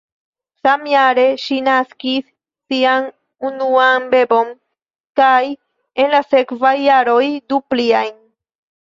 Samjare ŝi naskis sian unuan bebon kaj en la sekvaj jaroj du pliajn.